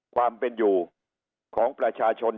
ความเป็นอยู่ของประชาชน